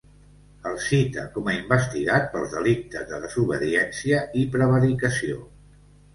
El cita com a investigat pels delictes de desobediència i prevaricació.